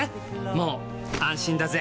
もう安心だぜ！